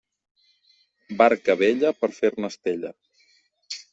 Barca vella, per fer-ne estella.